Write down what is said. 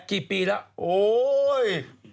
กี่ปีแล้วโอ๊ย